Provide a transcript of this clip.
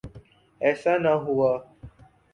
ایسا نہ ہوا۔